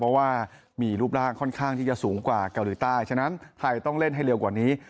เพราะว่ามีรูปร่างค่อนข้างที่จะสูงกว่าเกาหลีใต้ฉะนั้นไทยต้องเล่นให้เร็วกว่านี้